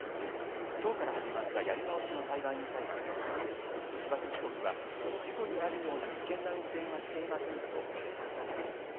きょうから始まったやり直しの裁判員裁判で石橋被告は事故になるような危険な運転はしていませんと述べました。